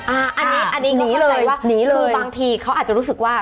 อันนี้อันนี้เลยว่าคือบางทีเขาอาจจะรู้สึกว่า